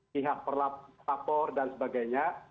pihak perlapor dan sebagainya